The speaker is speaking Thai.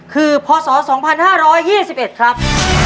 คือพศ๒๕๒๑ครับ